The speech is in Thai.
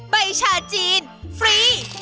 ใบชาจีนฟรี